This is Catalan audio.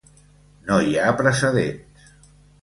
No hi ha precedents.